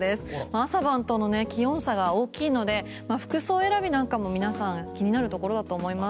朝晩の気温差が大きいので服装選びなんかも気になるところだと思います。